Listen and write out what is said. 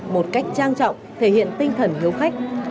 một cách trang trọng thể hiện tinh thần hiếu khách